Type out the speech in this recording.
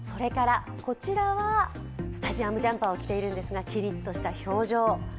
こちらはスタジアムジャンパーを着ているんですがキリッとした表情。